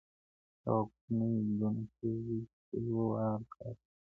دغه کوچنی دونه تېز دی چي په یو وار کار کوي.